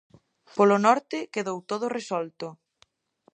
Polo norte, quedou todo resolto.